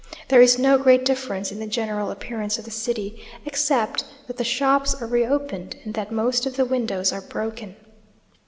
There is no great difference in the general appearance of the city, except that the shops are reopened, and that most of the windows are broken.